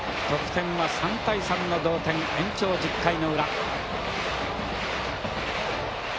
得点は３対３の同点延長１０回の裏。